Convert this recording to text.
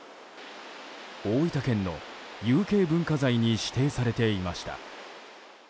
大分県の有形文化財に指定されていました。